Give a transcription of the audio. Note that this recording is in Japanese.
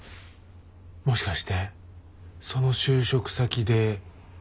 もしかしてその就職先で。